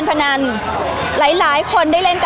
พี่ตอบได้แค่นี้จริงค่ะ